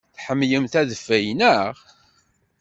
Tḥemmlemt adfel, naɣ?